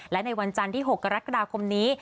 และในวันจันทร์ที่๖กรกฎาคมนี้